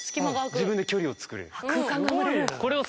自分で距離を作れる。